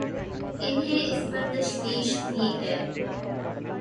انہیں اس پر تشویش بھی ہے۔